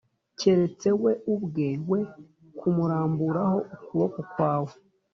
keretse we ubwe we kumuramburaho ukuboko kwawe